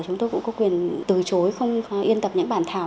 chúng tôi cũng có quyền từ chối không yên tập những bản thảo